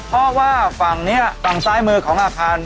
เพราะว่าฝั่งนี้ฝั่งซ้ายมือของอาคาร